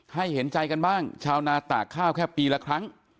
เห็นใจกันบ้างชาวนาตากข้าวแค่ปีละครั้ง